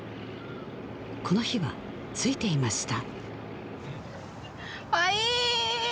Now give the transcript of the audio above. この日はついていました